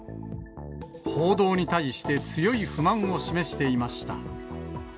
報道に対して強い不満を示していました。